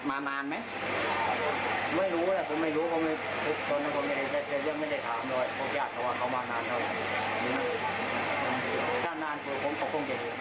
นานนานเขาต้องเจ็บเลย